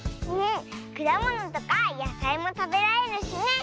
くだものとかやさいもたべられるしね！